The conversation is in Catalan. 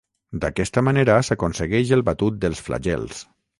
D'aquesta manera s'aconsegueix el batut dels flagels.